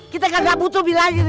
kita gak butuh bilangin